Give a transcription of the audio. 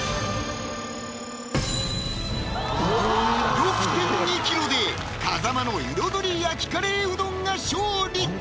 ６．２ｋｇで風間の彩り焼きカレーうどんが勝利！